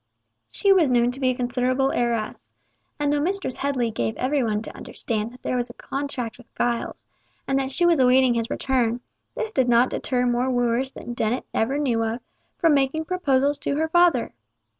She was known to be a considerable heiress, and though Mistress Headley gave every one to understand that there was a contract with Giles, and that she was awaiting his return, this did not deter more wooers than Dennet ever knew of, from making proposals to her father.